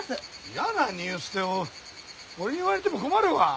嫌なニュースて俺に言われても困るわ！